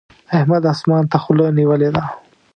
احمد اسمان ته خوله نيولې ده.